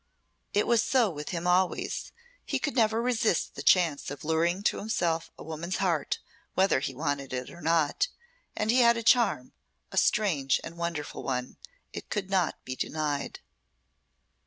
It was so with him always; he could never resist the chance of luring to himself a woman's heart, whether he wanted it or not, and he had a charm, a strange and wonderful one, it could not be denied.